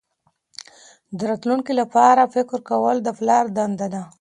د راتلونکي لپاره فکر کول د پلار دنده ده.